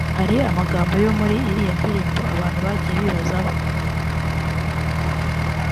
hari amagambo yo muri iriya ndirimbo abantu bagiye bibazaho